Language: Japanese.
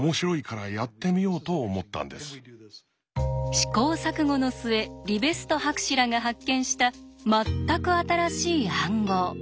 試行錯誤の末リベスト博士らが発見した全く新しい暗号。